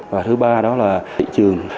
và thứ ba đó là thị trường